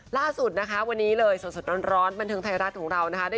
ล่าสุดนะคะวันนี้เลยสดร้อนบันเทิงไทยรัฐของเรานะคะ